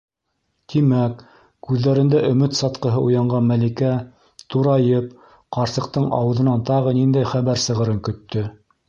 Тимәк... - күҙҙәрендә өмөт сатҡыһы уянған Мәликә, турайып, ҡарсыҡтың ауыҙынан тағы ниндәй хәбәр сығырын көттө.